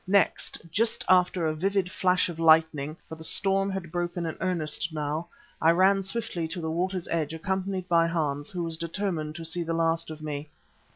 Next, just after a vivid flash of lightning, for the storm had broken in earnest now, I ran swiftly to the water's edge, accompanied by Hans, who was determined to see the last of me.